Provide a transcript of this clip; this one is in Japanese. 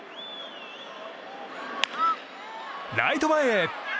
ライト前へ！